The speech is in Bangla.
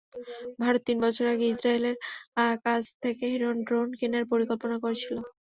ভারত তিন বছর আগে ইসরায়েলের কাছে থেকে হেরন ড্রোন কেনার পরিকল্পনা করেছিল।